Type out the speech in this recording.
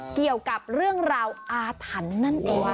เกี่ยวกับเรื่องราวอาถรรพ์นั่นเอง